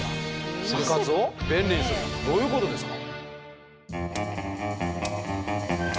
どういうことですか？